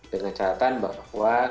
dengan catatan bahwa